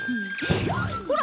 ほら！